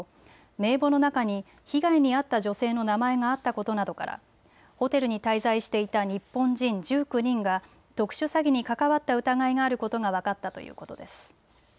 名簿の中に被害に遭った女性の名前があったことなどからホテルに滞在していた日本人１９人が特殊詐欺に関わった疑いがあることが分かったということです。